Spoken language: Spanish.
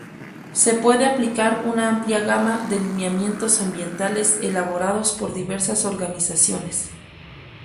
Se puede aplicar una amplia gama de lineamientos ambientales elaborados por diversas organizaciones.